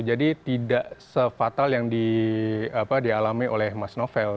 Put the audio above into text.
jadi tidak se fatal yang dialami oleh mas novel